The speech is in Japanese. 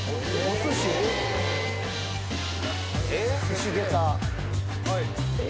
すしげた。